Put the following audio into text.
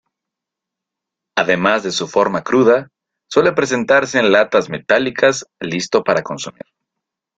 Además de su forma cruda, suele presentarse en latas metálicas listo para consumir.